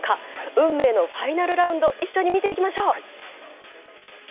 運命のファイナルラウンド、一緒に見ていきましょう。